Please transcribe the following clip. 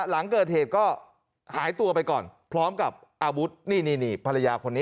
หลังเกิดเหตุก็หายตัวไปก่อนพร้อมกับอาวุธนี่นี่ภรรยาคนนี้